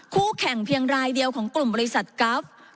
คู่แข่งเพียงรายเดียวของกลุ่มบริษัทกราฟ